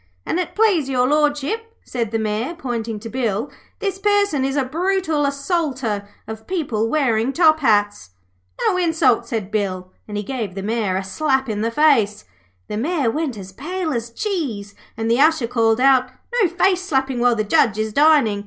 'An' it please Your Lordship,' said the Mayor, pointing to Bill, 'this person is a brutal assaulter of people wearing top hats.' 'No insults,' said Bill, and he gave the Mayor a slap in the face. The Mayor went as pale as cheese, and the Usher called out: 'No face slapping while the judge is dining!'